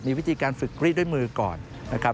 มีวิธีการฝึกรีดด้วยมือก่อนนะครับ